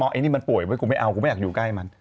ไอ้นี่มันป่วยไว้กูไม่เอากูไม่อยากอยู่ใกล้มัน